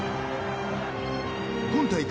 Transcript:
今大会